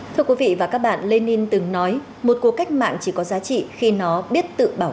thưa quý vị và các bạn lê ninh từng nói một cuộc cách mạng chỉ có giá trị khi nó biết